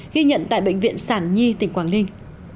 ghi nhận tại bệnh viện sản nhi tỉnh quảng ninh